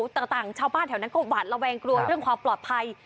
ต่างชาวบ้านแถวนั้นก็หวาดระแวงกลัวเรื่องความปลอดภัย